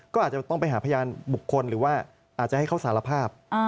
ก็อาจจะต้องไปหาพยานบุคคลหรือว่าอาจจะให้เขาสารภาพ